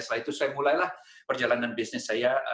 setelah itu saya mulailah perjalanan bisnis saya